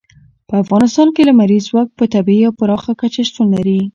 په افغانستان کې لمریز ځواک په طبیعي او پراخه کچه شتون لري.